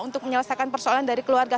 untuk menyelesaikan persoalan dari keluarga